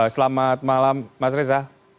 selamat malam mas riza